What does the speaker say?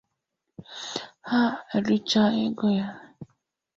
ha richaa ego ya